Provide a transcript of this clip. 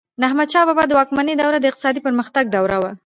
د احمدشاه بابا د واکمنۍ دوره د اقتصادي پرمختګ دوره وه.